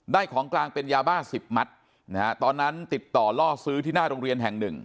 ของกลางเป็นยาบ้าสิบมัตต์นะฮะตอนนั้นติดต่อล่อซื้อที่หน้าโรงเรียนแห่งหนึ่ง